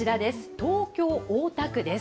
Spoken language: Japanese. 東京・大田区です。